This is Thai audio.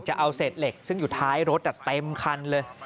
จะเอาเศษเหล็กซึ่งอยู่ท้ายรถเต็มคันเลย